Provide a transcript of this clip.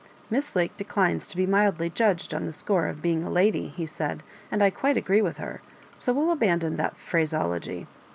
*' Miss Lake declines to be mildly judged on the score of being a lady," he said, Mand I quite agree with her — so we^ll abandon that phrase ology.